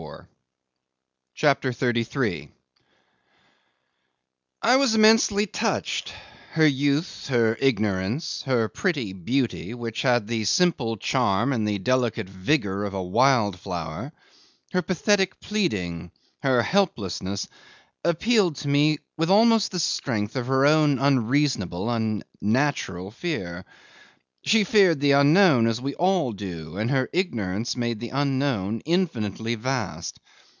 CHAPTER 33 'I was immensely touched: her youth, her ignorance, her pretty beauty, which had the simple charm and the delicate vigour of a wild flower, her pathetic pleading, her helplessness, appealed to me with almost the strength of her own unreasonable and natural fear. She feared the unknown as we all do, and her ignorance made the unknown infinitely vast.